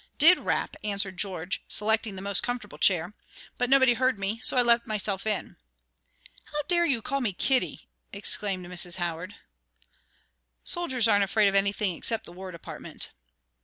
"Did rap," answered George, selecting the most comfortable chair, "but nobody heard me, so I let myself in." "How dare you call me 'Kitty'?" exclaimed Mrs. Howard. "Soldiers aren't afraid of anything except the War Department."